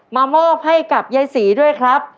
มอบให้กับยายศรีด้วยครับ